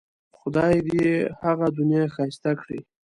خدای دې یې هغه دنیا ښایسته کړي.